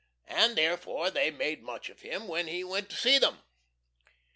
And therefore they made much of him when he went to see them.